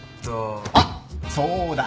あっそうだ。